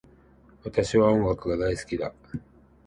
私は音楽が大好きだ